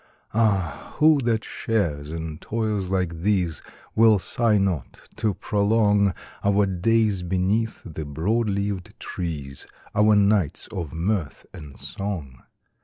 Ah, who that shares in toils like these Will sigh not to prolong Our days beneath the broad leaved trees, Our nights of mirth and song?